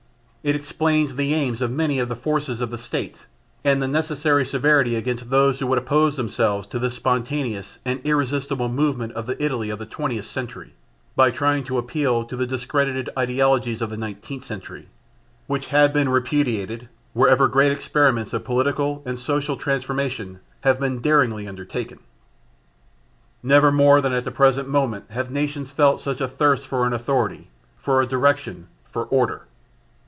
It explains the aims of many of the forces of the State and the necessary severity against those who would oppose themselves to this spontaneous and irresistible movement of the Italy of the Twentieth century by trying to appeal to the discredited ideologies of the Nineteenth century, which have been repudiated wherever great experiments of political and social transformation have been daringly undertaken. Never more than at the present moment have the nations felt such a thirst for an authority, for a direction, for order.